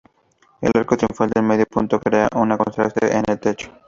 El arco triunfal de medio punto crea un contraste con el techo.